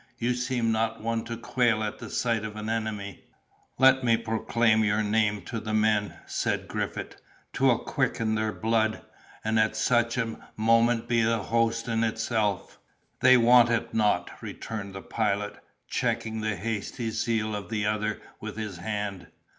You seem not one to quail at the sight of an enemy." "Let me proclaim your name to the men!" said Griffith; "'twill quicken their blood, and at such a moment be a host in itself." "They want it not," returned the Pilot, checking the hasty zeal of the other with his hand.